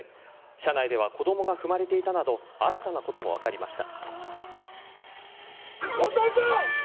車内では子どもが踏まれていたなど新たなことも分かりました。